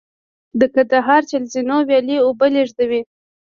د کندهار چل زینو ویالې اوبه لېږدوي